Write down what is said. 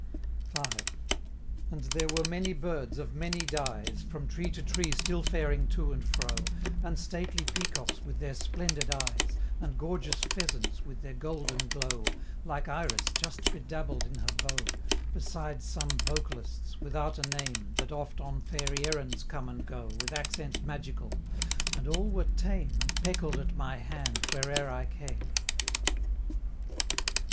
V. And there were many birds of many dyes, From tree to tree still faring to and fro, And stately peacocks with their splendid eyes, And gorgeous pheasants with their golden glow, Like Iris just bedabbled in her bow, Beside some vocalists, without a name, That oft on fairy errands come and go, With accents magical; and all were tame, And peckled at my hand where'er I came.